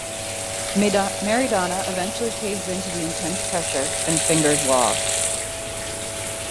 Marydonna eventually caves in to the intense pressure and fingers Law.